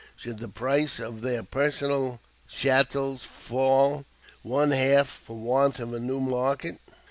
Should the price of their personal "chattels" fall one half for want of a new market?